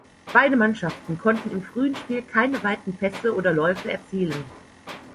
Beide Mannschaften konnten im frühen Spiel keine weiten Pässe oder Läufe erzielen.